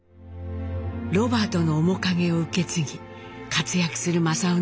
ロバートの面影を受け継ぎ活躍する正雄の姿。